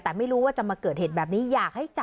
แต่ไม่รู้ว่าจะมาเกิดเหตุแบบนี้